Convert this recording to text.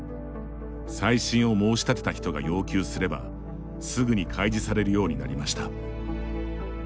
再審を申し立てた人が要求すればすぐに開示されるようになりました。